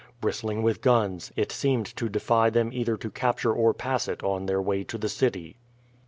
Bristling with guns, it seemed to defy them either to capture or pass it on their way to the city.